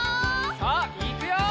さあいくよ！